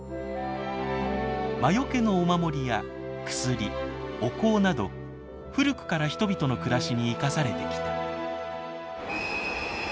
魔よけのお守りや薬お香など古くから人々の暮らしに生かされてきた。